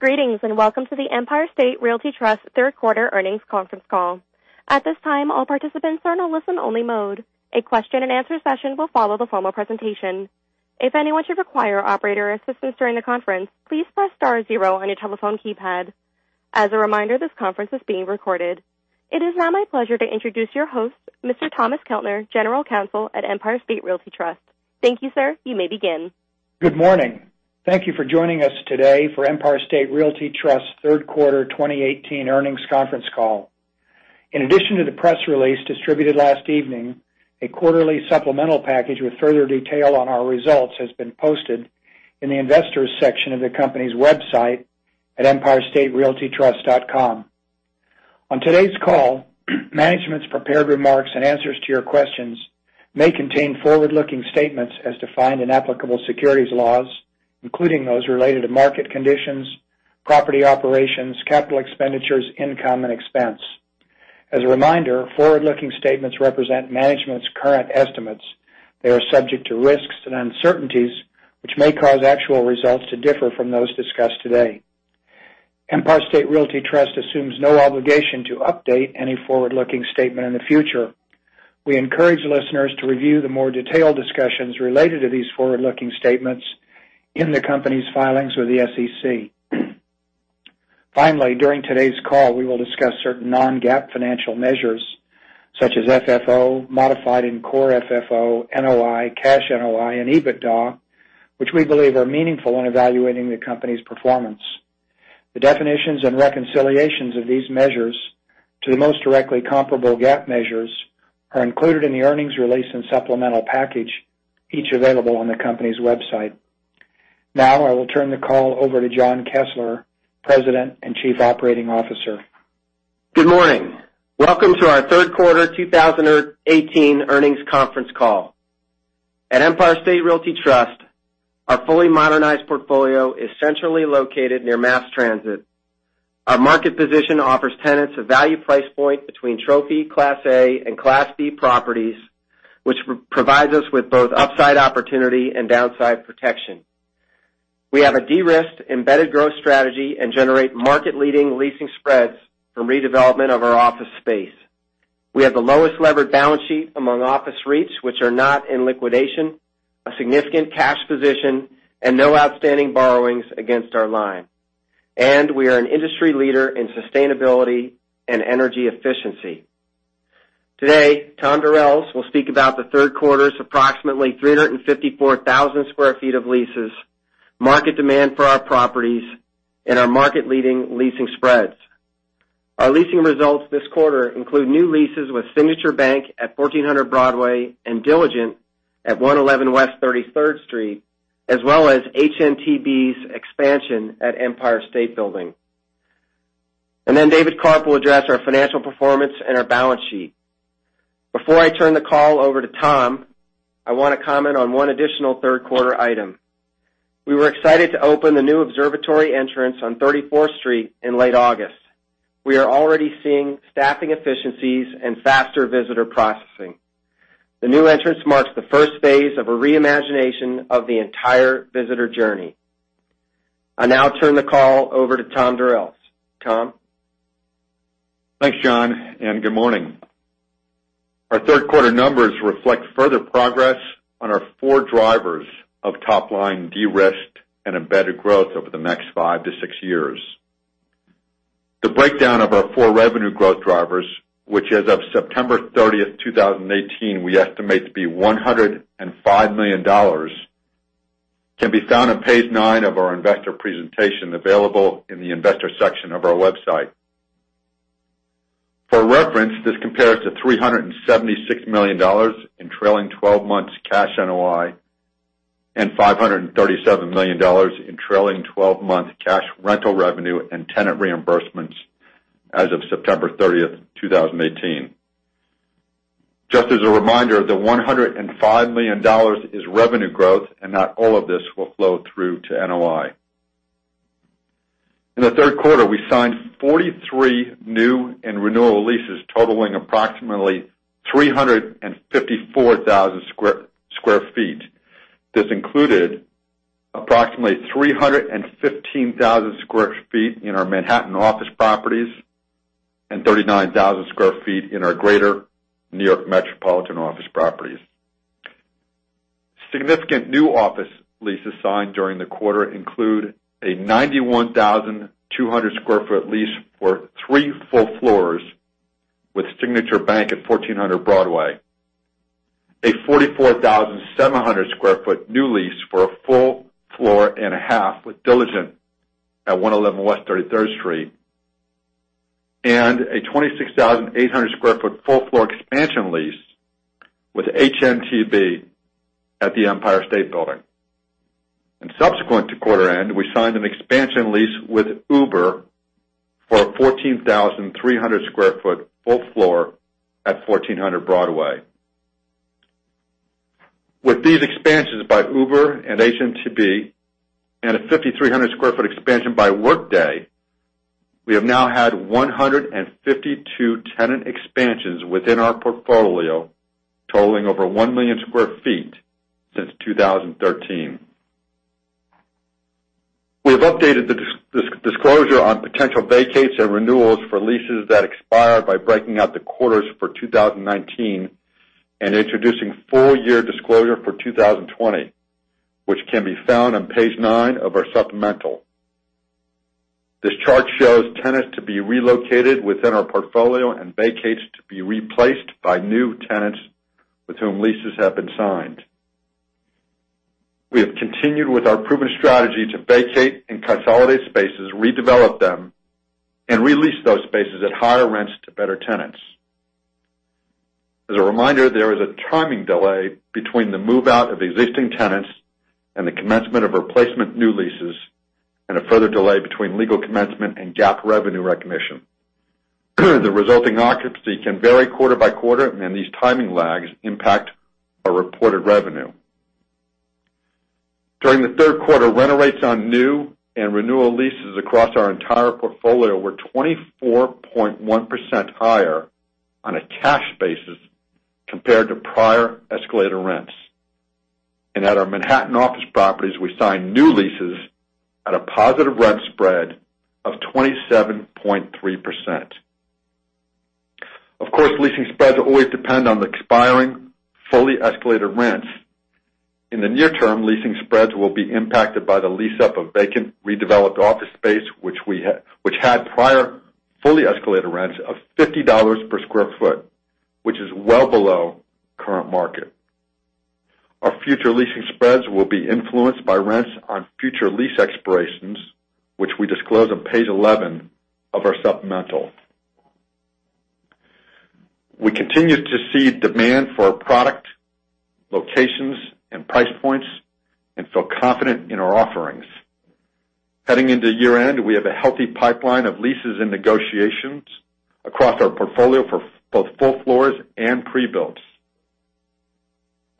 Greetings, and welcome to the Empire State Realty Trust third quarter earnings conference call. At this time, all participants are in a listen-only mode. A question and answer session will follow the formal presentation. If anyone should require operator assistance during the conference, please press star zero on your telephone keypad. As a reminder, this conference is being recorded. It is now my pleasure to introduce your host, Mr. Thomas Keltner, general counsel at Empire State Realty Trust. Thank you, sir. You may begin. Good morning. Thank you for joining us today for Empire State Realty Trust third quarter 2018 earnings conference call. In addition to the press release distributed last evening, a quarterly supplemental package with further detail on our results has been posted in the investors section of the company's website at esrtreit.com. On today's call, management's prepared remarks and answers to your questions may contain forward-looking statements as defined in applicable securities laws, including those related to market conditions, property operations, capital expenditures, income, and expense. As a reminder, forward-looking statements represent management's current estimates. They are subject to risks and uncertainties, which may cause actual results to differ from those discussed today. Empire State Realty Trust assumes no obligation to update any forward-looking statement in the future. We encourage listeners to review the more detailed discussions related to these forward-looking statements in the company's filings with the SEC. Finally, during today's call, we will discuss certain non-GAAP financial measures such as FFO, modified and core FFO, NOI, cash NOI, and EBITDA, which we believe are meaningful in evaluating the company's performance. The definitions and reconciliations of these measures to the most directly comparable GAAP measures are included in the earnings release and supplemental package, each available on the company's website. Now, I will turn the call over to John Kessler, president and chief operating officer. Good morning. Welcome to our third quarter 2018 earnings conference call. At Empire State Realty Trust, our fully modernized portfolio is centrally located near mass transit. Our market position offers tenants a value price point between Trophy Class A and Class B properties, which provides us with both upside opportunity and downside protection. We have a de-risked embedded growth strategy and generate market-leading leasing spreads from redevelopment of our office space. We have the lowest levered balance sheet among office REITs, which are not in liquidation, a significant cash position, and no outstanding borrowings against our line. We are an industry leader in sustainability and energy efficiency. Today, Tom Durels will speak about the third quarter's approximately 354,000 sq ft of leases, market demand for our properties, and our market-leading leasing spreads. Our leasing results this quarter include new leases with Signature Bank at 1400 Broadway and Diligent at 111 West 33rd Street, as well as HNTB's expansion at Empire State Building. David Karp will address our financial performance and our balance sheet. Before I turn the call over to Tom, I want to comment on one additional third-quarter item. We were excited to open the new observatory entrance on 34th Street in late August. We are already seeing staffing efficiencies and faster visitor processing. The new entrance marks the first phase of a re-imagination of the entire visitor journey. I now turn the call over to Tom Durels. Tom? Thanks, John, good morning. Our third quarter numbers reflect further progress on our four drivers of top-line de-risk and embedded growth over the next five to six years. The breakdown of our four revenue growth drivers, which as of September thirtieth, 2018, we estimate to be $105 million, can be found on page nine of our investor presentation available in the investor section of our website. For reference, this compares to $376 million in trailing 12 months cash NOI, and $537 million in trailing 12-month cash rental revenue and tenant reimbursements as of September thirtieth, 2018. As a reminder, the $105 million is revenue growth, and not all of this will flow through to NOI. In the third quarter, we signed 43 new and renewal leases totaling approximately 354,000 sq ft. This included approximately 315,000 sq ft in our Manhattan office properties and 39,000 sq ft in our greater New York metropolitan office properties. Significant new office leases signed during the quarter include a 91,200 sq ft lease for three full floors with Signature Bank at 1400 Broadway, a 44,700 sq ft new lease for a full floor and a half with Diligent at 111 West 33rd Street, and a 26,800 sq ft full floor expansion lease with HNTB at the Empire State Building. Subsequent to quarter end, we signed an expansion lease with Uber for a 14,300 sq ft full floor at 1400 Broadway. With these expansions by Uber and HNTB and a 5,300 sq ft expansion by Workday. We have now had 152 tenant expansions within our portfolio, totaling over 1 million sq ft since 2013. We have updated the disclosure on potential vacates and renewals for leases that expire by breaking out the quarters for 2019 and introducing full year disclosure for 2020, which can be found on page nine of our supplemental. This chart shows tenants to be relocated within our portfolio and vacates to be replaced by new tenants with whom leases have been signed. We have continued with our proven strategy to vacate and consolidate spaces, redevelop them, and re-lease those spaces at higher rents to better tenants. As a reminder, there is a timing delay between the move-out of existing tenants and the commencement of replacement new leases, and a further delay between legal commencement and GAAP revenue recognition. The resulting occupancy can vary quarter by quarter, and these timing lags impact our reported revenue. During the third quarter, rent rates on new and renewal leases across our entire portfolio were 24.1% higher on a cash basis compared to prior escalator rents. At our Manhattan office properties, we signed new leases at a positive rent spread of 27.3%. Of course, leasing spreads always depend on the expiring fully escalated rents. In the near term, leasing spreads will be impacted by the lease-up of vacant, redeveloped office space, which had prior fully escalated rents of $50 per square foot, which is well below current market. Our future leasing spreads will be influenced by rents on future lease expirations, which we disclose on page 11 of our supplemental. We continue to see demand for our product, locations, and price points, and feel confident in our offerings. Heading into year-end, we have a healthy pipeline of leases and negotiations across our portfolio for both full floors and pre-builds.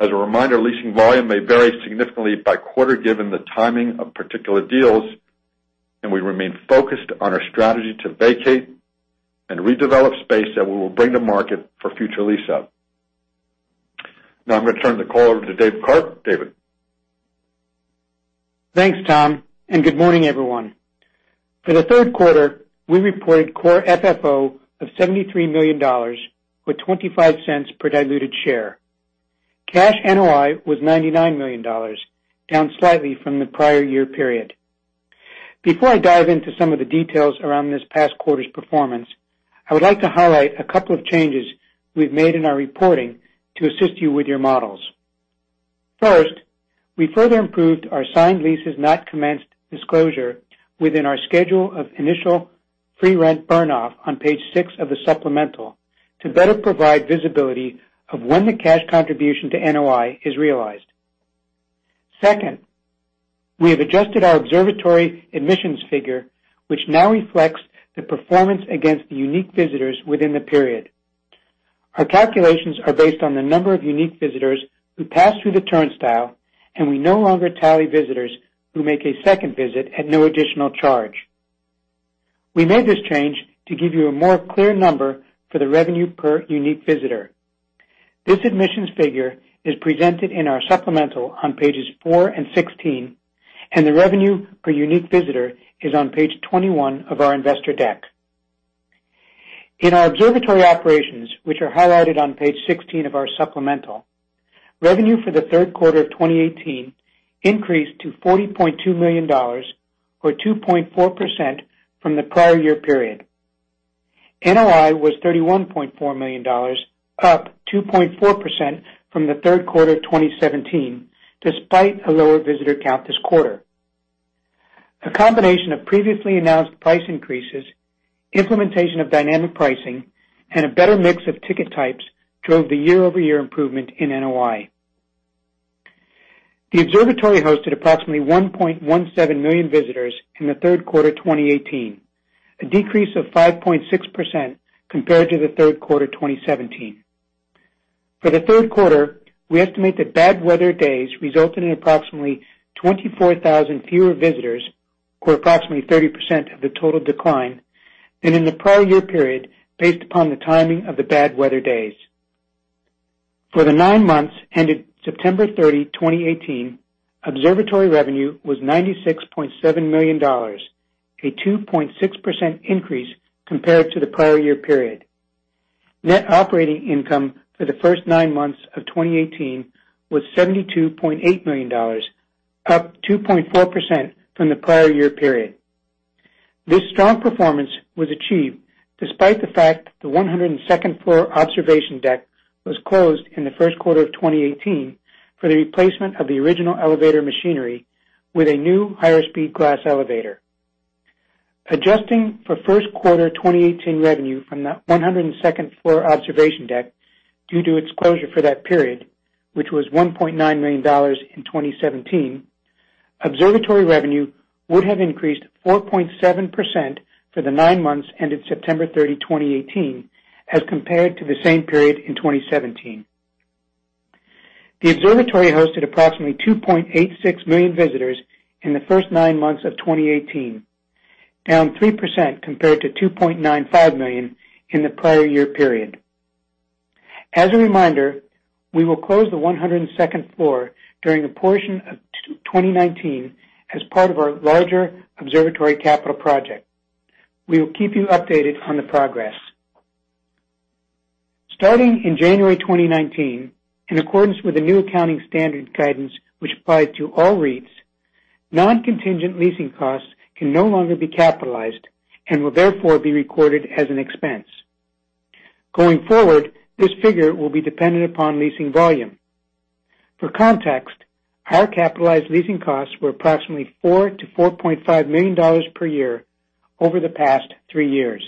As a reminder, leasing volume may vary significantly by quarter given the timing of particular deals, and we remain focused on our strategy to vacate and redevelop space that we will bring to market for future lease-up. Now I'm going to turn the call over to David Karp. David? Thanks, Tom, and good morning, everyone. For the third quarter, we reported core FFO of $73 million with $0.25 per diluted share. Cash NOI was $99 million, down slightly from the prior year-over-year period. Before I dive into some of the details around this past quarter's performance, I would like to highlight a couple of changes we've made in our reporting to assist you with your models. First, we further improved our signed leases not commenced disclosure within our schedule of initial free rent burn off on page six of the supplemental to better provide visibility of when the cash contribution to NOI is realized. Second, we have adjusted our observatory admissions figure, which now reflects the performance against the unique visitors within the period. Our calculations are based on the number of unique visitors who pass through the turnstile, and we no longer tally visitors who make a second visit at no additional charge. We made this change to give you a more clear number for the revenue per unique visitor. This admissions figure is presented in our supplemental on pages four and 16, and the revenue per unique visitor is on page 21 of our investor deck. In our observatory operations, which are highlighted on page 16 of our supplemental, revenue for the third quarter of 2018 increased to $40.2 million or 2.4% from the prior year-over-year period. NOI was $31.4 million, up 2.4% from the third quarter of 2017, despite a lower visitor count this quarter. A combination of previously announced price increases, implementation of dynamic pricing, and a better mix of ticket types drove the year-over-year improvement in NOI. The observatory hosted approximately 1.17 million visitors in the third quarter 2018, a decrease of 5.6% compared to the third quarter 2017. For the third quarter, we estimate that bad weather days resulted in approximately 24,000 fewer visitors, or approximately 30% of the total decline, than in the prior year period based upon the timing of the bad weather days. For the nine months ended September 30, 2018, observatory revenue was $96.7 million, a 2.6% increase compared to the prior year period. Net operating income for the first nine months of 2018 was $72.8 million, up 2.4% from the prior year period. This strong performance was achieved despite the fact the 102nd floor observation deck was closed in the first quarter of 2018 for the replacement of the original elevator machinery with a new higher speed glass elevator. Adjusting for first quarter 2018 revenue from the 102nd floor observation deck due to its closure for that period, which was $1.9 million in 2017, observatory revenue would have increased 4.7% for the nine months ended September 30, 2018, as compared to the same period in 2017. The observatory hosted approximately 2.86 million visitors in the first nine months of 2018, down 3% compared to 2.95 million in the prior year period. As a reminder, we will close the 102nd floor during a portion of 2019 as part of our larger observatory capital project. We will keep you updated on the progress. Starting in January 2019, in accordance with the new accounting standard guidance which applies to all REITs, non-contingent leasing costs can no longer be capitalized and will therefore be recorded as an expense. Going forward, this figure will be dependent upon leasing volume. For context, our capitalized leasing costs were approximately $4 million-$4.5 million per year over the past three years.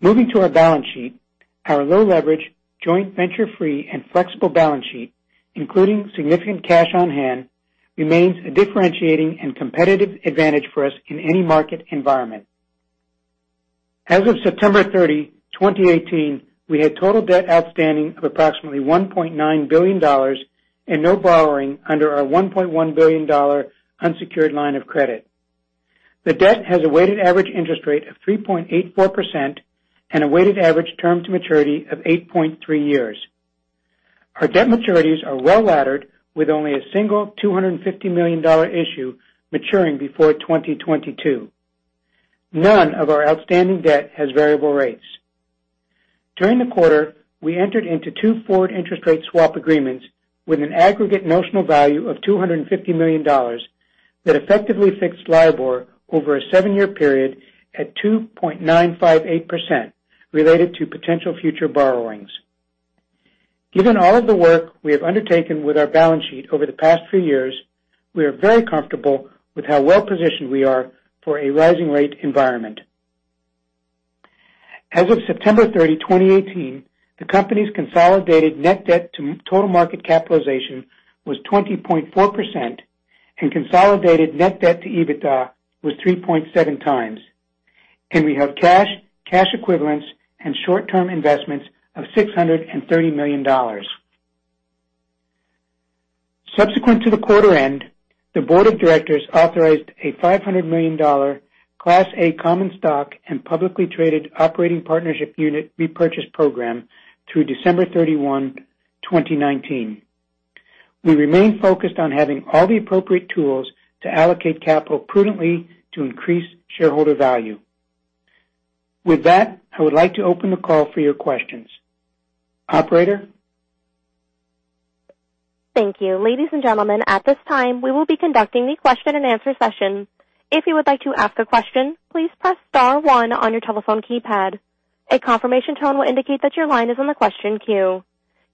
Moving to our balance sheet, our low leverage, joint venture free, and flexible balance sheet, including significant cash on hand, remains a differentiating and competitive advantage for us in any market environment. As of September 30, 2018, we had total debt outstanding of approximately $1.9 billion and no borrowing under our $1.1 billion unsecured line of credit. The debt has a weighted average interest rate of 3.84% and a weighted average term to maturity of 8.3 years. Our debt maturities are well-laddered with only a single $250 million issue maturing before 2022. None of our outstanding debt has variable rates. During the quarter, we entered into two forward interest rate swap agreements with an aggregate notional value of $250 million that effectively fixed LIBOR over a seven-year period at 2.958% related to potential future borrowings. Given all of the work we have undertaken with our balance sheet over the past three years, we are very comfortable with how well-positioned we are for a rising rate environment. As of September 30, 2018, the company's consolidated net debt to total market capitalization was 20.4% and consolidated net debt to EBITDA was 3.7 times, and we have cash equivalents, and short-term investments of $630 million. Subsequent to the quarter end, the board of directors authorized a $500 million Class A common stock and publicly traded operating partnership unit repurchase program through December 31, 2019. We remain focused on having all the appropriate tools to allocate capital prudently to increase shareholder value. With that, I would like to open the call for your questions. Operator? Thank you. Ladies and gentlemen, at this time, we will be conducting the question and answer session. If you would like to ask a question, please press star one on your telephone keypad. A confirmation tone will indicate that your line is in the question queue.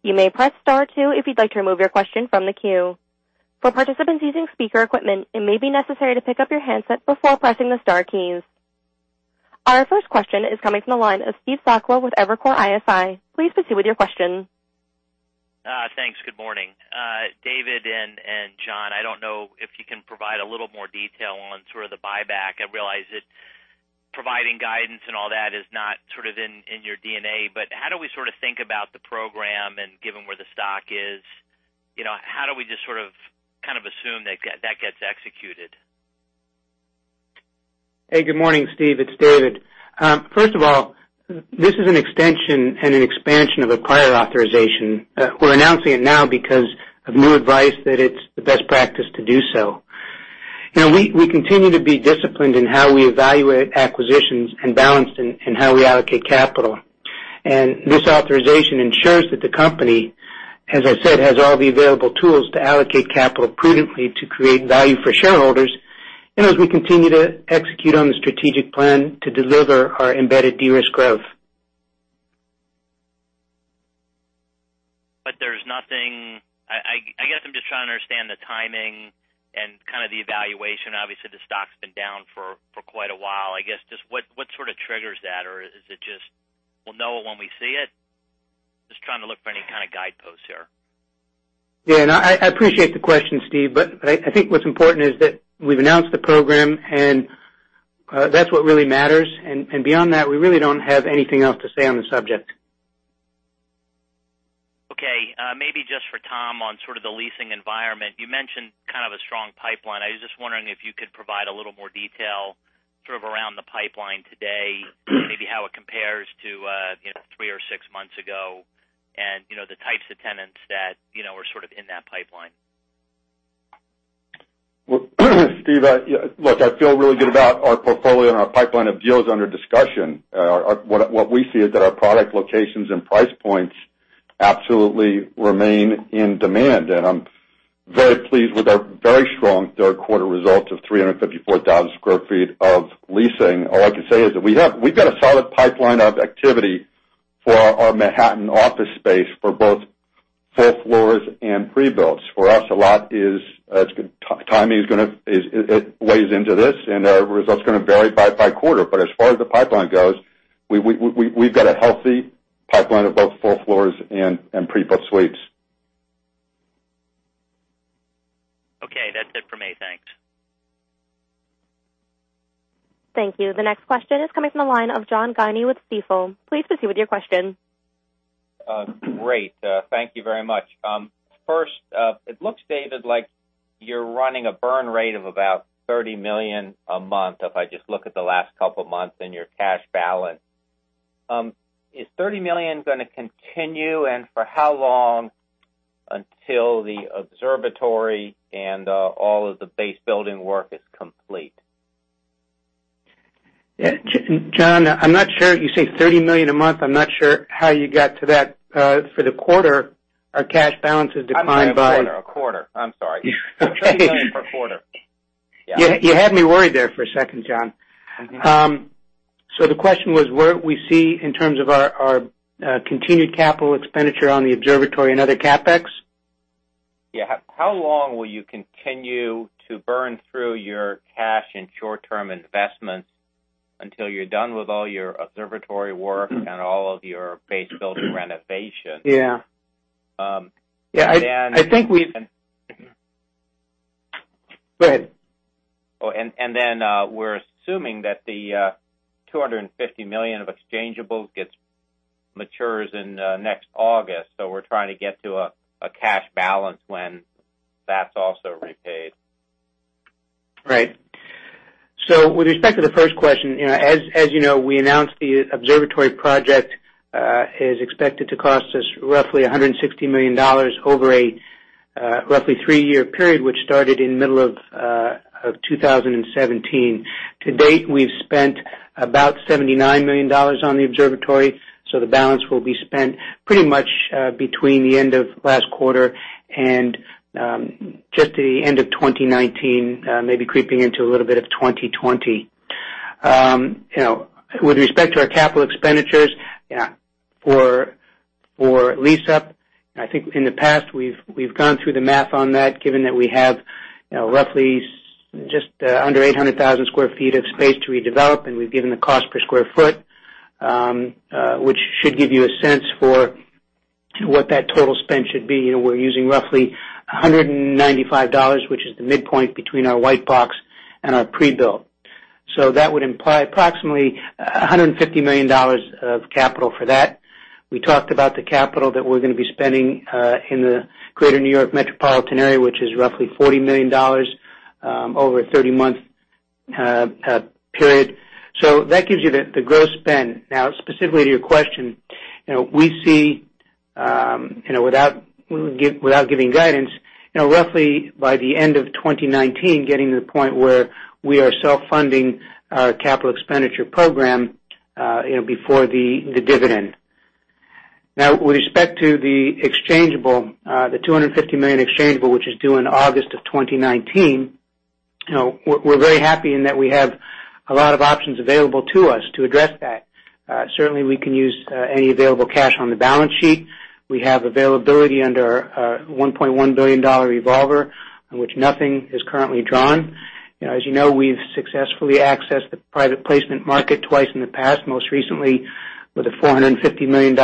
You may press star two if you'd like to remove your question from the queue. For participants using speaker equipment, it may be necessary to pick up your handset before pressing the star keys. Our first question is coming from the line of Steve Sakwa with Evercore ISI. Please proceed with your question. Thanks. Good morning. David and John, I don't know if you can provide a little more detail on sort of the buyback. I realize that providing guidance and all that is not sort of in your DNA, how do we sort of think about the program and given where the stock is, how do we just sort of kind of assume that gets executed? Hey, good morning, Steve. It's David. First of all, this is an extension and an expansion of a prior authorization. We're announcing it now because of new advice that it's the best practice to do so. We continue to be disciplined in how we evaluate acquisitions and balanced in how we allocate capital. This authorization ensures that the company, as I said, has all the available tools to allocate capital prudently to create value for shareholders and as we continue to execute on the strategic plan to deliver our embedded de-risk growth. I'm just trying to understand the timing and kind of the valuation. Obviously, the stock's been down for quite a while. What sort of triggers that? Or is it just we'll know it when we see it? Just trying to look for any kind of guideposts here. I appreciate the question, Steve, I think what's important is that we've announced the program, and that's what really matters. Beyond that, we really don't have anything else to say on the subject. Okay. Maybe just for Tom on sort of the leasing environment. You mentioned kind of a strong pipeline. I was just wondering if you could provide a little more detail sort of around the pipeline today, maybe how it compares to three or six months ago and the types of tenants that are sort of in that pipeline. Well, Steve, look, I feel really good about our portfolio and our pipeline of deals under discussion. What we see is that our product locations and price points absolutely remain in demand. I'm very pleased with our very strong third quarter results of 354,000 sq ft of leasing. All I can say is that we've got a solid pipeline of activity for our Manhattan office space for both full floors and pre-builts. For us, a lot is timing, it weighs into this. Our results are going to vary by quarter. As far as the pipeline goes, we've got a healthy pipeline of both full floors and pre-built suites. Okay. That's it for me. Thanks. Thank you. The next question is coming from the line of John Guiney with Stifel. Please proceed with your question. Great. Thank you very much. First, it looks, David, like you're running a burn rate of about $30 million a month if I just look at the last couple of months in your cash balance. Is $30 million going to continue, and for how long until the observatory and all of the base-building work is complete? John, you say $30 million a month. I'm not sure how you got to that. For the quarter, our cash balance is declined by- A quarter. I'm sorry. Okay. 30 million per quarter. Yeah. You had me worried there for a second, John. The question was what we see in terms of our continued capital expenditure on the observatory and other CapEx? Yeah. How long will you continue to burn through your cash and short-term investments until you're done with all your observatory work and all of your base-building renovations? Yeah. then- Go ahead. we're assuming that the $250 million of exchangeables matures in next August, so we're trying to get to a cash balance when that's also repaid. Right. With respect to the first question, as you know, we announced the observatory project is expected to cost us roughly $160 million over a roughly three-year period, which started in middle of 2017. To date, we've spent about $79 million on the observatory, so the balance will be spent pretty much between the end of last quarter and just the end of 2019, maybe creeping into a little bit of 2020. With respect to our capital expenditures for lease-up, I think in the past, we've gone through the math on that, given that we have roughly just under 800,000 sq ft of space to redevelop, and we've given the cost per square foot, which should give you a sense for what that total spend should be. We're using roughly $195, which is the midpoint between our white box and our pre-build. That would imply approximately $150 million of capital for that. We talked about the capital that we're going to be spending in the greater New York metropolitan area, which is roughly $40 million over a 30-month period. That gives you the gross spend. Specifically to your question, we see, without giving guidance, roughly by the end of 2019, getting to the point where we are self-funding our capital expenditure program before the dividend. With respect to the $250 million exchangeable, which is due in August of 2019, we're very happy in that we have a lot of options available to us to address that. Certainly, we can use any available cash on the balance sheet. We have availability under our $1.1 billion revolver, on which nothing is currently drawn. As you know, we've successfully accessed the private placement market twice in the past, most recently with a $450 million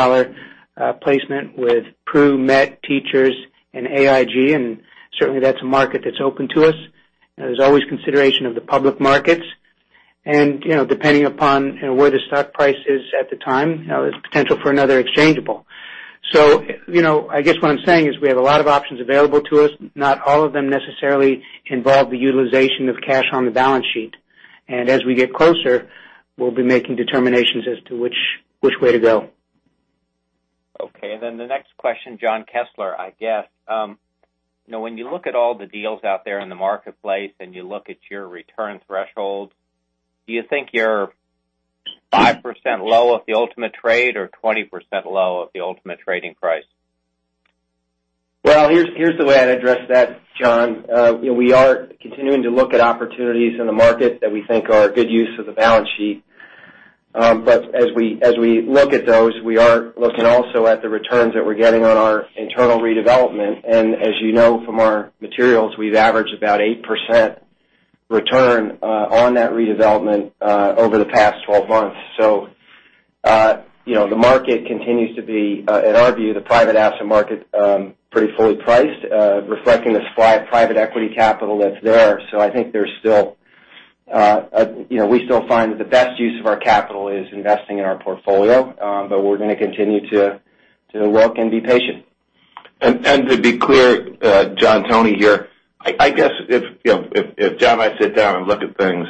placement with Prudential, MetLife, TIAA, and AIG, and certainly that's a market that's open to us. There's always consideration of the public markets. Depending upon where the stock price is at the time, there's potential for another exchangeable. I guess what I'm saying is we have a lot of options available to us. Not all of them necessarily involve the utilization of cash on the balance sheet. As we get closer, we'll be making determinations as to which way to go. Okay. The next question, John Kessler, I guess. When you look at all the deals out there in the marketplace and you look at your return threshold, do you think you're 5% low of the ultimate trade or 20% low of the ultimate trading price? Here's the way I'd address that, John. We are continuing to look at opportunities in the market that we think are a good use of the balance sheet. As we look at those, we are looking also at the returns that we're getting on our internal redevelopment. As you know from our materials, we've averaged about 8% return on that redevelopment over the past 12 months. The market continues to be, in our view, the private asset market, pretty fully priced, reflecting the supply of private equity capital that's there. I think we still find that the best use of our capital is investing in our portfolio, but we're going to continue to look and be patient. To be clear, John, Tony here. I guess if John and I sit down and look at things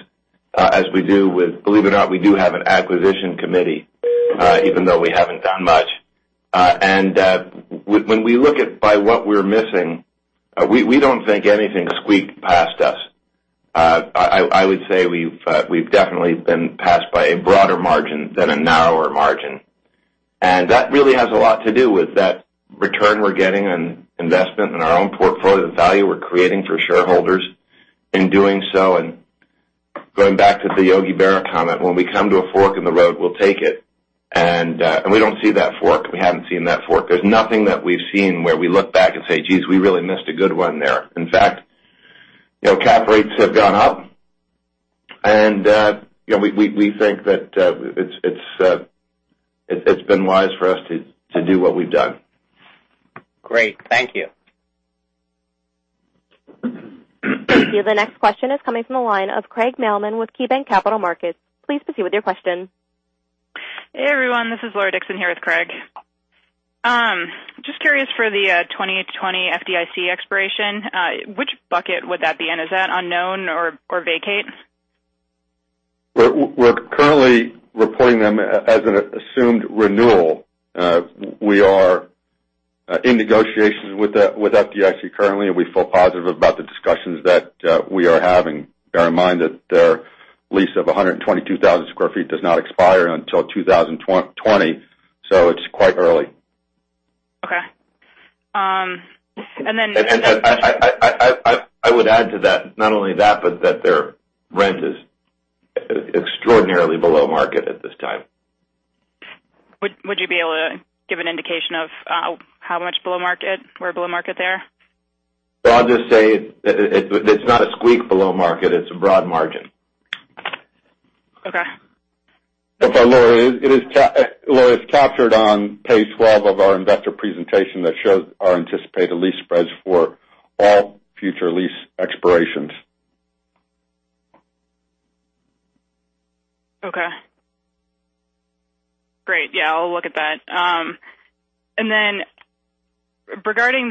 as we do with, believe it or not, we do have an acquisition committee, even though we haven't done much. When we look at by what we're missing, we don't think anything squeaked past us. I would say we've definitely been passed by a broader margin than a narrower margin. That really has a lot to do with that return we're getting on investment in our own portfolio, the value we're creating for shareholders in doing so. Going back to the Yogi Berra comment, when we come to a fork in the road, we'll take it. We don't see that fork. We haven't seen that fork. There's nothing that we've seen where we look back and say, "Geez, we really missed a good one there." In fact, cap rates have gone up, and we think that it's been wise for us to do what we've done. Great. Thank you. The next question is coming from the line of Craig Mailman with KeyBanc Capital Markets. Please proceed with your question. Hey, everyone. This is Laura Dixon here with Craig. Just curious for the 2020 FDIC expiration, which bucket would that be in? Is that unknown or vacate? We're currently reporting them as an assumed renewal. We are in negotiations with FDIC currently. We feel positive about the discussions that we are having. Bear in mind that their lease of 122,000 square feet does not expire until 2020. It's quite early. Okay. I would add to that, not only that, but that their rent is extraordinarily below market at this time. Would you be able to give an indication of how much below market, we're below market there? Well, I'll just say it's not a squeak below market. It's a broad margin. Okay. Sorry, Laura. It is captured on page 12 of our investor presentation that shows our anticipated lease spreads for all future lease expirations. Okay. Great. I'll look at that. Regarding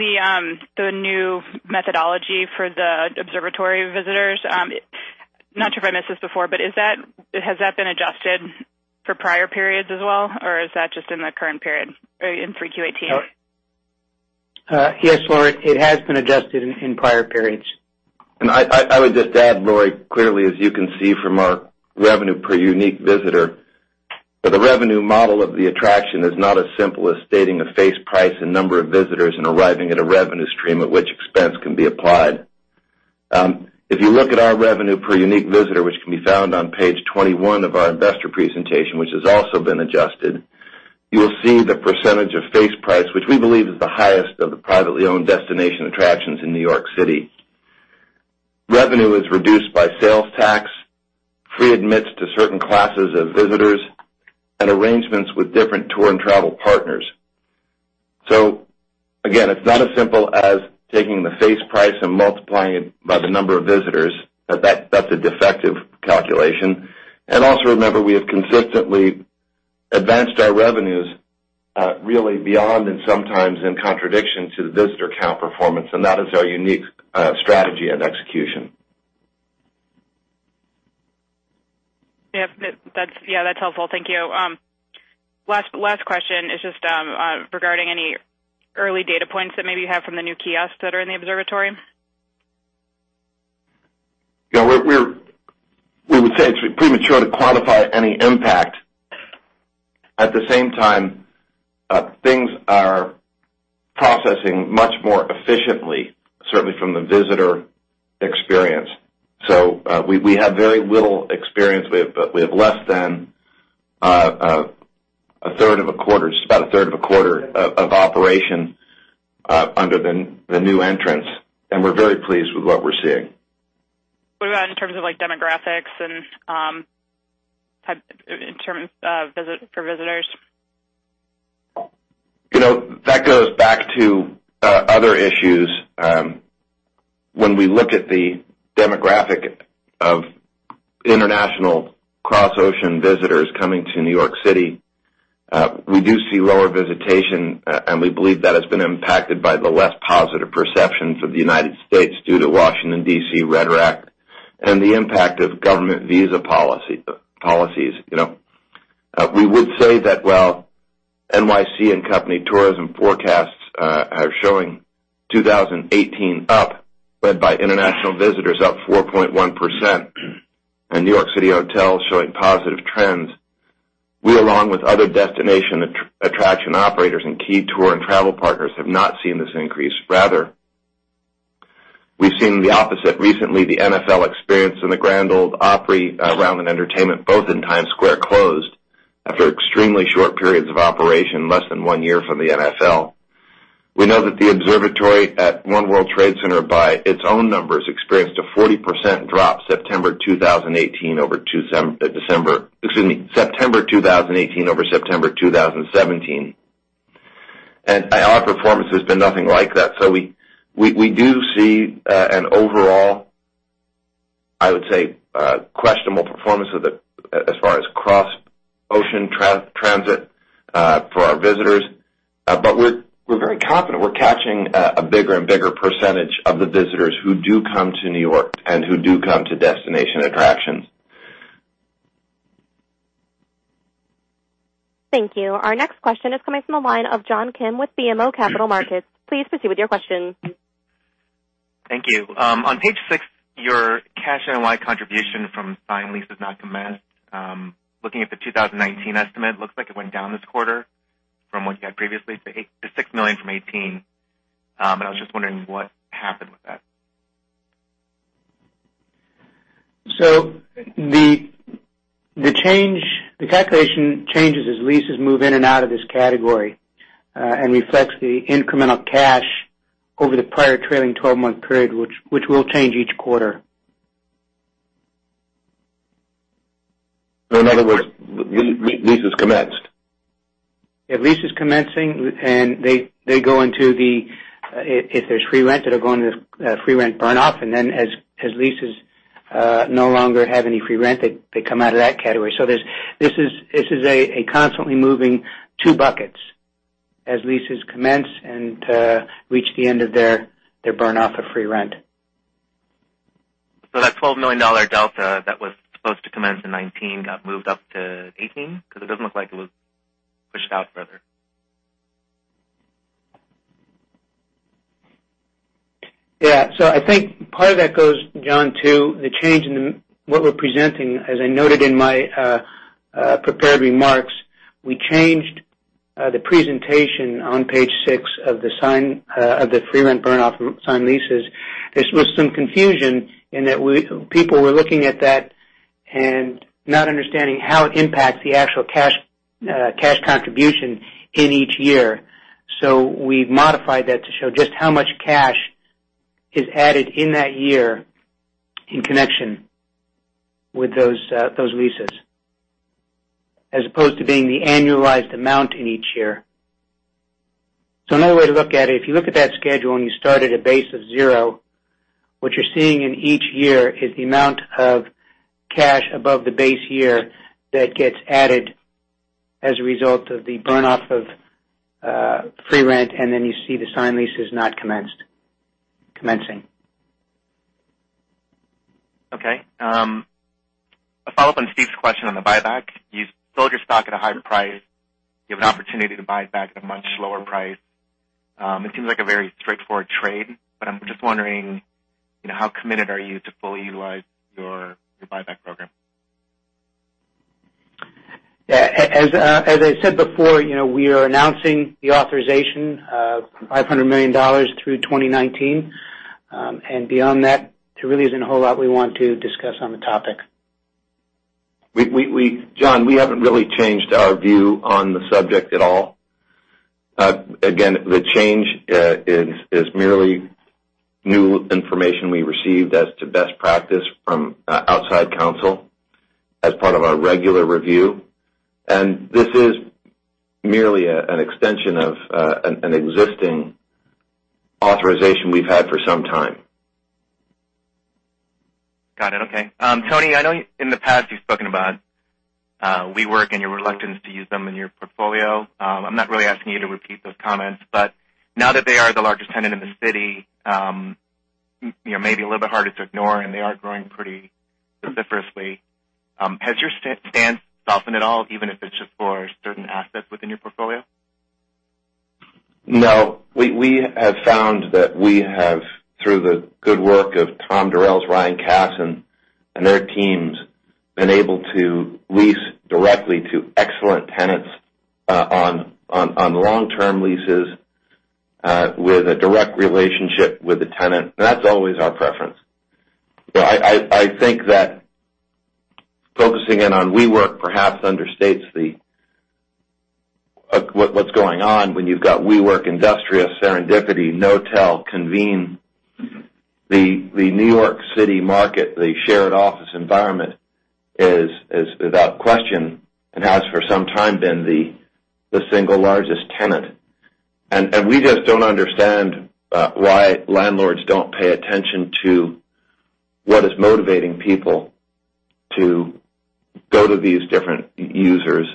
the new methodology for the observatory visitors, not sure if I missed this before, but has that been adjusted for prior periods as well, or is that just in the current period or in 3Q 2018? Yes, Laura, it has been adjusted in prior periods. I would just add, Laura, clearly, as you can see from our revenue per unique visitor, but the revenue model of the attraction is not as simple as stating a face price and number of visitors and arriving at a revenue stream at which expense can be applied. If you look at our revenue per unique visitor, which can be found on page 21 of our investor presentation, which has also been adjusted, you will see the percentage of face price, which we believe is the highest of the privately owned destination attractions in New York City. Revenue is reduced by sales tax, free admits to certain classes of visitors, and arrangements with different tour and travel partners. Again, it's not as simple as taking the face price and multiplying it by the number of visitors. That's a defective calculation. Also remember, we have consistently advanced our revenues really beyond and sometimes in contradiction to the visitor count performance, and that is our unique strategy and execution. Yeah, that's helpful. Thank you. Last question is just regarding any early data points that maybe you have from the new kiosks that are in the observatory. Yeah, we would say it's premature to quantify any impact. At the same time, things are processing much more efficiently, certainly from the visitor experience. We have very little experience. We have less than a third of a quarter, just about a third of a quarter of operation under the new entrance, and we're very pleased with what we're seeing. What about in terms of demographics for visitors? That goes back to other issues. When we looked at the demographic of international cross-ocean visitors coming to New York City, we do see lower visitation, and we believe that has been impacted by the less positive perceptions of the United States due to Washington D.C. rhetoric and the impact of government visa policies. We would say that while NYC & Company tourism forecasts are showing 2018 up, led by international visitors up 4.1%, and New York City hotels showing positive trends, we, along with other destination attraction operators and key tour and travel partners, have not seen this increase. Rather, we've seen the opposite. Recently, the NFL Experience and the Grand Ole Opry Ryman Entertainment, both in Times Square, closed after extremely short periods of operation, less than one year for the NFL. We know that the observatory at One World Trade Center, by its own numbers, experienced a 40% drop September 2018 over September 2017. Our performance has been nothing like that. We do see an overall, I would say, questionable performance as far as cross-ocean transit for our visitors, but we're very confident we're catching a bigger and bigger percentage of the visitors who do come to New York and who do come to destination attractions. Thank you. Our next question is coming from the line of John Kim with BMO Capital Markets. Please proceed with your question. Thank you. On page six, your cash NOI contribution from signed leases not commenced. Looking at the 2019 estimate, looks like it went down this quarter from what you had previously to $6 million from $18 million. I was just wondering what happened with that. The calculation changes as leases move in and out of this category, and reflects the incremental cash over the prior trailing 12-month period, which will change each quarter. In other words, leases commenced? Yeah, leases commencing, if there's free rent, they'll go into the free rent burn-off, then as leases no longer have any free rent, they come out of that category. This is a constantly moving two buckets as leases commence and reach the end of their burn-off of free rent. That $12 million delta that was supposed to commence in 2019 got moved up to 2018? It doesn't look like it was pushed out further. Yeah. I think part of that goes, John, to the change in what we're presenting. As I noted in my prepared remarks, we changed the presentation on page six of the free rent burn-off signed leases. This was some confusion in that people were looking at that and not understanding how it impacts the actual cash contribution in each year. We've modified that to show just how much cash is added in that year in connection with those leases, as opposed to being the annualized amount in each year. Another way to look at it, if you look at that schedule and you start at a base of zero, what you're seeing in each year is the amount of cash above the base year that gets added as a result of the burn-off of free rent, you see the signed leases not commencing. Okay. A follow-up on Steve's question on the buyback. You sold your stock at a higher price. You have an opportunity to buy it back at a much lower price. It seems like a very straightforward trade, but I'm just wondering how committed are you to fully utilize your buyback program? As I said before, we are announcing the authorization of $500 million through 2019. Beyond that, there really isn't a whole lot we want to discuss on the topic. John, we haven't really changed our view on the subject at all. Again, the change is merely new information we received as to best practice from outside counsel as part of our regular review. This is merely an extension of an existing authorization we've had for some time. Got it. Okay. Tony, I know in the past you've spoken about WeWork and your reluctance to use them in your portfolio. I'm not really asking you to repeat those comments, but now that they are the largest tenant in the city, maybe a little bit harder to ignore, they are growing pretty prolifically. Has your stance softened at all, even if it's just for certain assets within your portfolio? No. We have found that we have, through the good work of Tom Durels, Ryan Kass, and their teams, been able to lease directly to excellent tenants on long-term leases with a direct relationship with the tenant. That's always our preference. I think that focusing in on WeWork perhaps understates what's going on when you've got WeWork, Industrious, Serendipity, Knotel, Convene. The New York City market, the shared office environment, is without question, and has for some time, been the single largest tenant. And we just don't understand why landlords don't pay attention to what is motivating people to go to these different users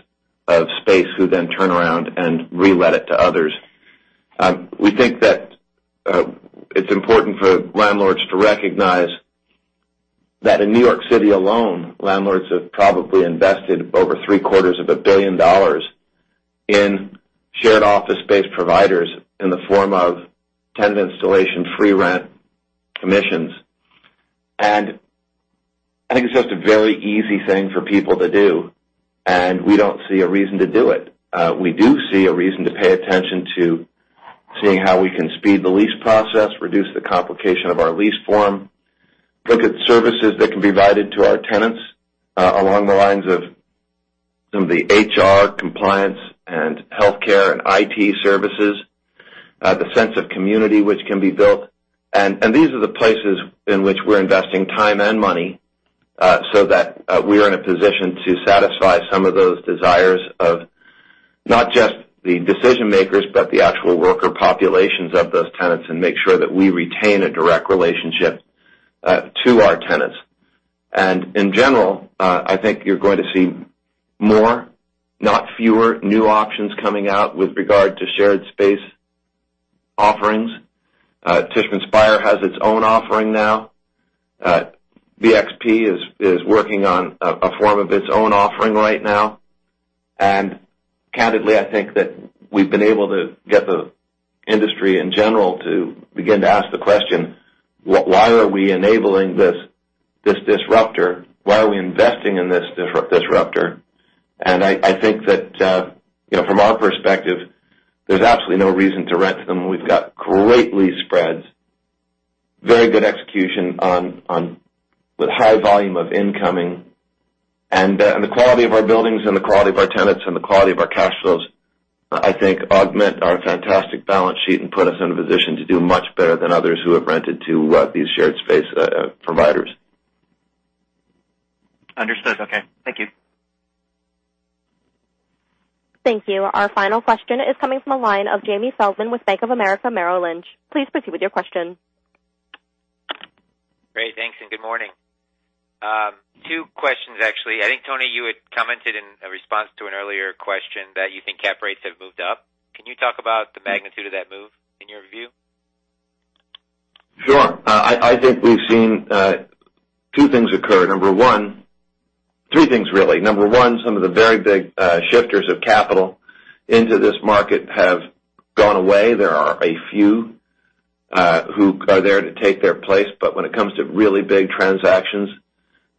of space who then turn around and re-let it to others. We think that it's important for landlords to recognize that in New York City alone, landlords have probably invested over three-quarters of a billion dollars in shared office space providers in the form of tenant installation, free rent, commissions. And I think it's just a very easy thing for people to do, and we don't see a reason to do it. We do see a reason to pay attention to seeing how we can speed the lease process, reduce the complication of our lease form, look at services that can be provided to our tenants along the lines of some of the HR compliance and healthcare and IT services, the sense of community which can be built. We think that it's important for landlords to recognize that in New York City alone, landlords have probably invested over three-quarters of a billion dollars in shared office space providers in the form of tenant installation, free rent, commissions. And I think it's just a very easy thing for people to do, and we don't see a reason to do it. We do see a reason to pay attention to seeing how we can speed the lease process, reduce the complication of our lease form, look at services that can be provided to our tenants along the lines of some of the HR compliance and healthcare and IT services, the sense of community which can be built. We've got great lease spreads, very good execution with high volume of incoming, and the quality of our buildings and the quality of our tenants and the quality of our cash flows. I think, augment our fantastic balance sheet and put us in a position to do much better than others who have rented to these shared space providers. Understood. Okay. Thank you. Thank you. Our final question is coming from the line of Jamie Feldman with Bank of America Merrill Lynch. Please proceed with your question. Great. Thanks, and good morning. Two questions, actually. I think, Tony, you had commented in a response to an earlier question that you think cap rates have moved up. Can you talk about the magnitude of that move in your view? Sure. I think we've seen two things occur. Three things, really. Number one, some of the very big shifters of capital into this market have gone away. There are a few who are there to take their place, but when it comes to really big transactions,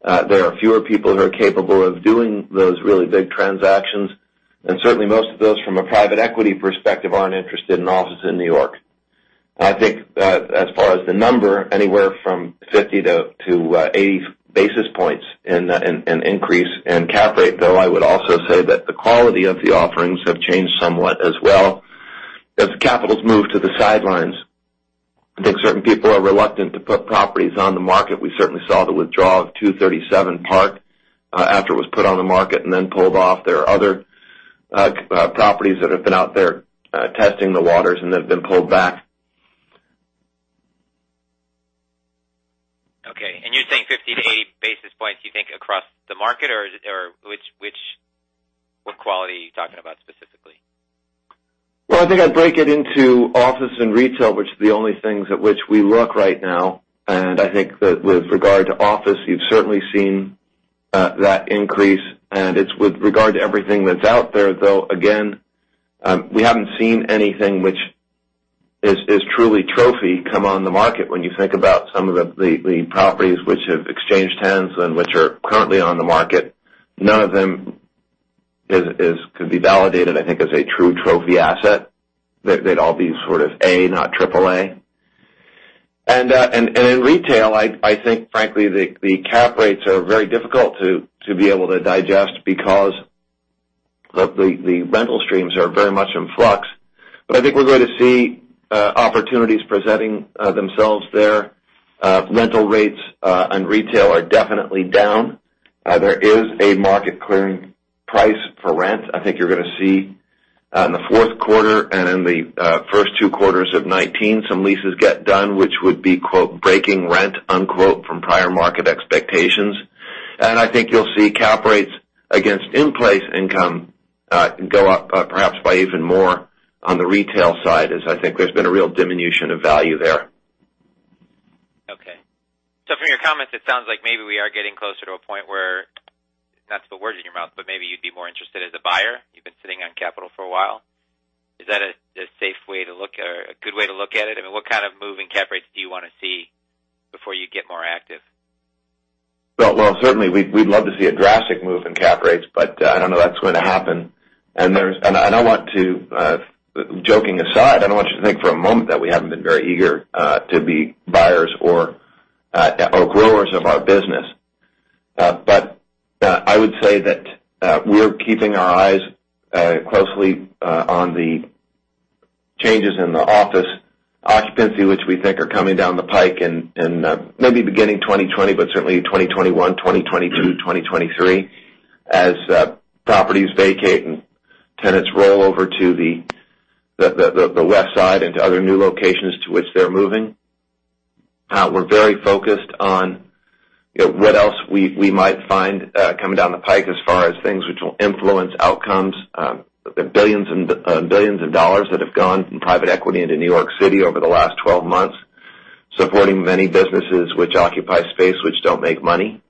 there are fewer people who are capable of doing those really big transactions. Certainly, most of those from a private equity perspective aren't interested in offices in New York. I think, as far as the number, anywhere from 50-80 basis points in an increase in cap rate, though I would also say that the quality of the offerings have changed somewhat as well as the capital's moved to the sidelines. I think certain people are reluctant to put properties on the market. We certainly saw the withdrawal of 237 Park, after it was put on the market and then pulled off. There are other properties that have been out there, testing the waters and have been pulled back. Okay. you're saying 50 to 80 basis points, you think, across the market, or what quality are you talking about specifically? Well, I think I'd break it into office and retail, which are the only things at which we look right now. I think that with regard to office, you've certainly seen that increase. it's with regard to everything that's out there, though, again, we haven't seen anything which is truly trophy come on the market. When you think about some of the properties which have exchanged hands and which are currently on the market, none of them could be validated, I think, as a true trophy asset. They'd all be sort of A, not triple A. in retail, I think, frankly, the cap rates are very difficult to be able to digest because the rental streams are very much in flux. I think we're going to see opportunities presenting themselves there. Rental rates and retail are definitely down. There is a market clearing price for rent. I think you're gonna see in the fourth quarter and in the first two quarters of 2019, some leases get done, which would be "breaking rent" from prior market expectations. I think you'll see cap rates against in-place income go up, perhaps by even more on the retail side, as I think there's been a real diminution of value there. Okay. From your comments, it sounds like maybe we are getting closer to a point where, not to put words in your mouth, but maybe you'd be more interested as a buyer. You've been sitting on capital for a while. Is that a safe way to look or a good way to look at it? I mean, what kind of move in cap rates do you want to see before you get more active? Well, certainly, we'd love to see a drastic move in cap rates, but I don't know that's going to happen. And I don't want to, joking aside, think for a moment that we haven't been very eager to be buyers or growers of our business. But I would say that we're keeping our eyes closely on the changes in the office occupancy, which we think are coming down the pike in maybe beginning 2020, but certainly 2021, 2022, 2023, as properties vacate and tenants roll over to the west side into other new locations to which they're moving. We're very focused on what else we might find coming down the pike as far as things which will influence outcomes. The billions of dollars that have gone from private equity into New York City over the last 12 months, supporting many businesses which occupy space, which don't make money.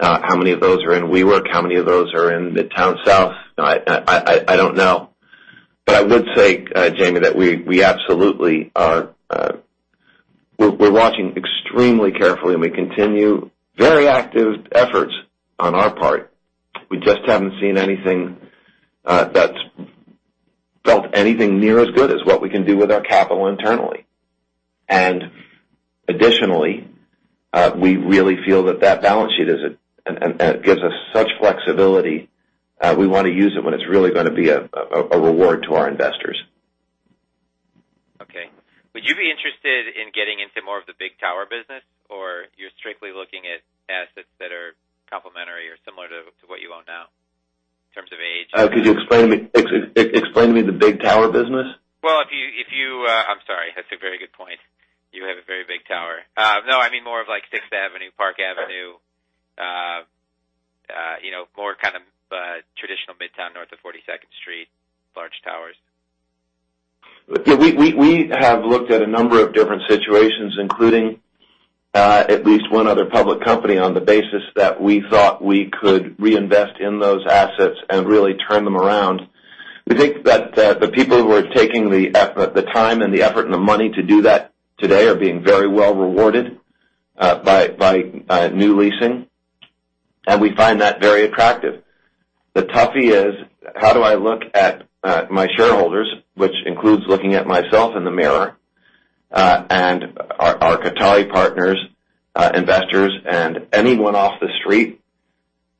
How many of those are in WeWork? How many of those are in the Midtown South? I don't know. But I would say, Jamie, that we absolutely are. We're watching extremely carefully, and we continue very active efforts on our part. We just haven't seen anything that's felt anything near as good as what we can do with our capital internally. Additionally, we really feel that that balance sheet gives us such flexibility, we want to use it when it's really gonna be a reward to our investors. Okay. Would you be interested in getting into more of the big tower business, or you're strictly looking at assets that are complementary or similar to what you own now in terms of age? Could you explain to me the big tower business? Well, I'm sorry. That's a very good point. You have a very big tower. No, I mean more of like Sixth Avenue, Park Avenue, more kind of traditional Midtown, North of 42nd Street, large towers. Yeah, we have looked at a number of different situations, including at least one other public company, on the basis that we thought we could reinvest in those assets and really turn them around. We think that the people who are taking the time and the effort and the money to do that today are being very well rewarded by new leasing. We find that very attractive. The toughie is: How do I look at my shareholders, which includes looking at myself in the mirror? Our Qatari partners, investors, and anyone off the street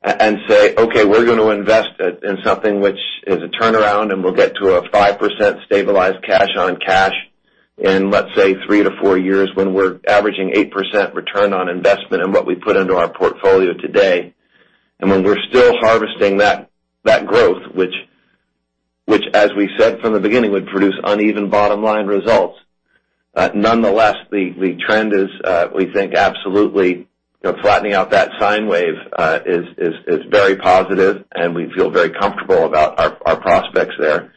and say, "Okay, we're going to invest in something which is a turnaround, and we'll get to a 5% stabilized cash on cash in, let's say, three to four years when we're averaging 8% return on investment in what we put into our portfolio today." When we're still harvesting that growth, which as we said from the beginning, would produce uneven bottom-line results. Nonetheless, the trend is, we think absolutely flattening out that sine wave is very positive, and we feel very comfortable about our prospects there.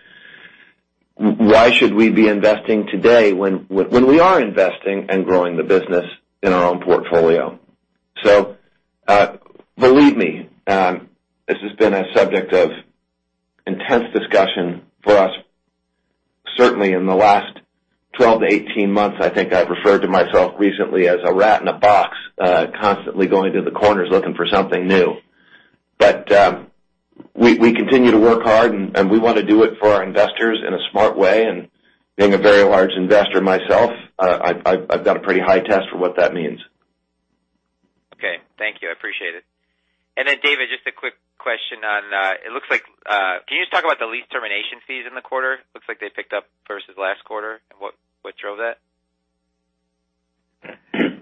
Why should we be investing today when we are investing and growing the business in our own portfolio? believe me, this has been a subject of intense discussion for us, certainly in the last 12 to 18 months. I think I've referred to myself recently as a rat in a box, constantly going to the corners looking for something new. we continue to work hard, and we want to do it for our investors in a smart way. being a very large investor myself, I've got a pretty high test for what that means. Okay, thank you. I appreciate it. David, just a quick question on Can you just talk about the lease termination fees in the quarter? Looks like they picked up versus last quarter, and what drove that?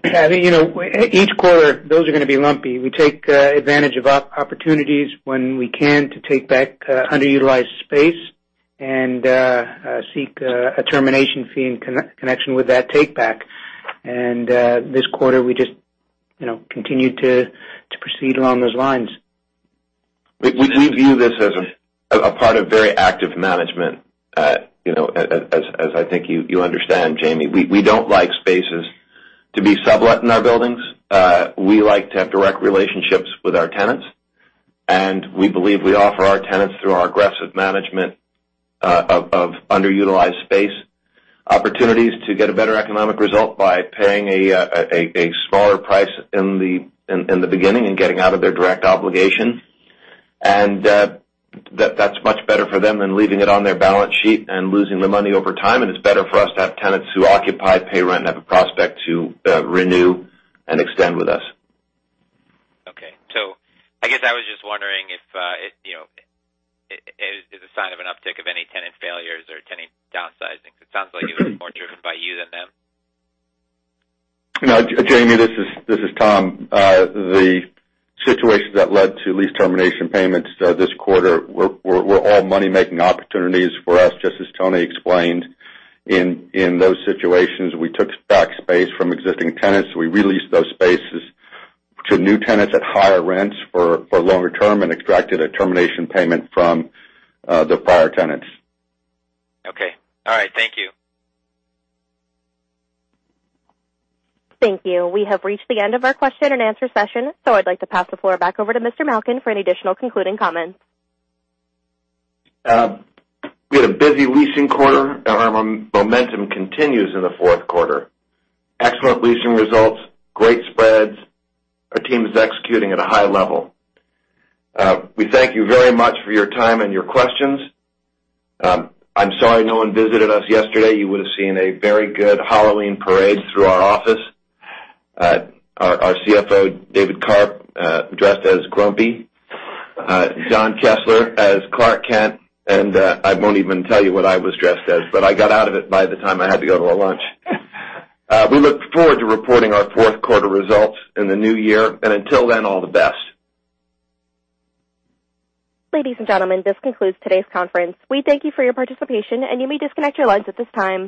I think, each quarter, those are going to be lumpy. We take advantage of opportunities when we can to take back underutilized space and seek a termination fee in connection with that take-back. This quarter, we just continued to proceed along those lines. We view this as a part of very active management, as I think you understand, Jamie. We don't like spaces to be sublet in our buildings. We like to have direct relationships with our tenants, and we believe we offer our tenants, through our aggressive management of underutilized space, opportunities to get a better economic result by paying a smaller price in the beginning and getting out of their direct obligation. That's much better for them than leaving it on their balance sheet and losing the money over time. It's better for us to have tenants who occupy, pay rent, and have a prospect to renew and extend with us. Okay. I guess I was just wondering if it is a sign of an uptick of any tenant failures or any downsizing, because it sounds like it was more driven by you than them. Jamie, this is Tom. The situations that led to lease termination payments this quarter were all money-making opportunities for us, just as Tony explained. In those situations, we took back space from existing tenants. We re-leased those spaces to new tenants at higher rents for longer term and extracted a termination payment from the prior tenants. Okay. All right. Thank you. Thank you. We have reached the end of our question-and-answer session, so I'd like to pass the floor back over to Mr. Malkin for any additional concluding comments. We had a busy leasing quarter, and our momentum continues in the fourth quarter. Excellent leasing results. Great spreads. Our team is executing at a high level. We thank you very much for your time and your questions. I'm sorry no one visited us yesterday. You would've seen a very good Halloween parade through our office. Our CFO, David Karp, dressed as Grumpy, John Kessler as Clark Kent, and I won't even tell you what I was dressed as, but I got out of it by the time I had to go to a lunch. We look forward to reporting our fourth quarter results in the new year, and until then, all the best. Ladies and gentlemen, this concludes today's conference. We thank you for your participation, and you may disconnect your lines at this time.